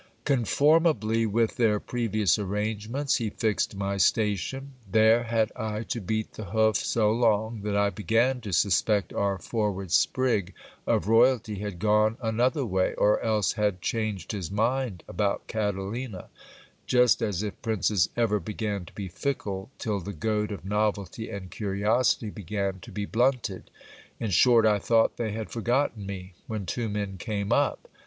Conformably with their previous arrangements, he fixed my station. There had I to beat the hoof so long, that I began to suspect our forward sprig of royalty had gone another way, or else had changed his mind about Catalina ; just as if princes ever began to be fickle, till the goad of novelty and curiosity began to be blunted. In short, I thought they had forgotten me, when two men came up.